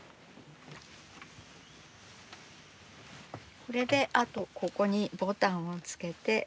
これであとここにボタンをつけて出来上がりです。